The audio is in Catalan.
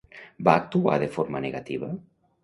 Va actuar de forma negativa?